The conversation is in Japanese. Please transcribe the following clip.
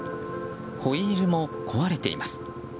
ホイールも壊れています。